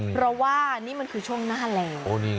เพราะว่านี่มันคือช่วงหน้าแล้ว